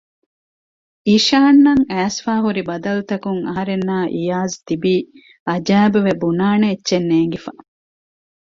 އިޝާން އަށް އައިސްފައިހުރި ބަދަލުތަކުން އަހަރެންނާއި އިޔާޒް ތިބީ އަޖައިބުވެ ބުނާނެ އެއްޗެއް ނޭންގިފަ